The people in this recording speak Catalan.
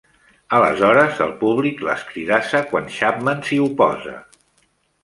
Aleshores, el públic l'escridassa quan Chapman s'hi oposa.